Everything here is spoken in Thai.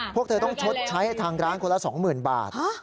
พวกเธอต้องชดใช้ให้ทางร้านคนละ๒๐๐๐บาท